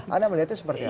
anda melihatnya seperti apa